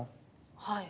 はい。